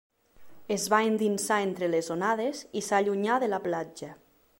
Es va endinsar entre les onades i s'allunyà de la platja.